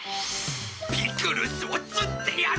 ピクルスを釣ってやる！